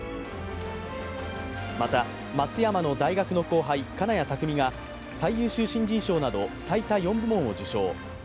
また、松山の大学の後輩、金谷拓実が最優秀新人賞など最多４部門を受賞。